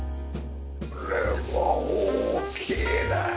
これは大きいね！